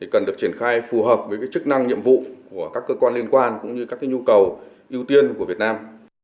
cần được triển khai phù hợp với chức năng nhiệm vụ của các cơ quan liên quan cũng như các nhu cầu ưu tiên của việt nam